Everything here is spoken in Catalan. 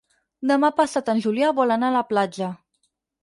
Demà passat en Julià vol anar a la platja.